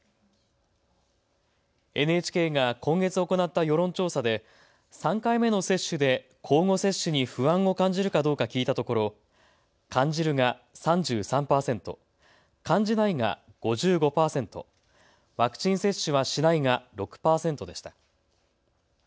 ＮＨＫが今月行った世論調査で３回目の接種で交互接種に不安を感じるかどうか聞いたところ感じるが３３％、感じないが５５％、ワクチン接種はしないが６％でした。